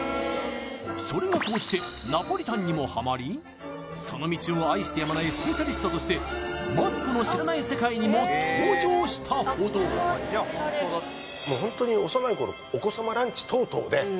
それが高じてナポリタンにもはまりその道を愛してやまないスペシャリストとして「マツコの知らない世界」にも登場したほどホントにあ